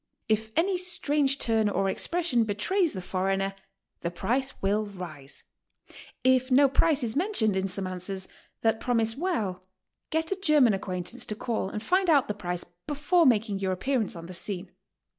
If any strange turn or expression be trays the foreigner, the price will rise; If no price is men tioned in some answers that promise well, get a German ac quaintance to call and find out the price before making your appearance on the scene.